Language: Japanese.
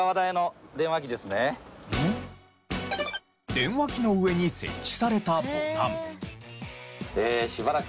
電話機の上に設置されたボタン。